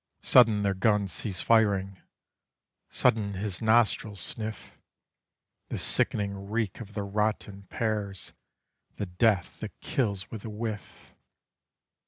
Sudden their guns cease firing, sudden his nostrils sniff The sickening reek of the rotten pears, the death that kills with a whiff.